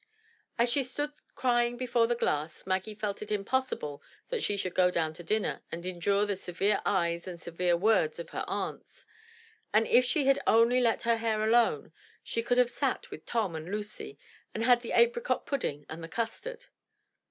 As she stood crying before the glass, Maggie felt it impossible that she should go down to dinner and endure the severe eyes and severe words of her aunts; and if she had only let her hair alone, she could have sat with Tom and Lucy, and had the apricot pudding and the custard!